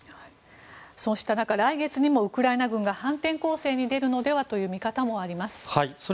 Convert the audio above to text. そうした中来月にもウクライナ軍が反転攻勢に出るのではとの見方もあります。